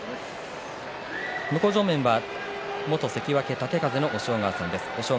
向正面は元関脇豪風の押尾川さんです。